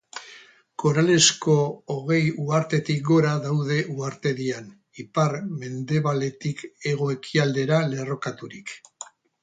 Koralezko hogei uhartetik gora daude uhartedian, ipar-mendebaletik hego-ekialdera lerrokaturik.